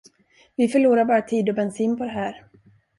Vi förlorar bara tid och bensin på det här.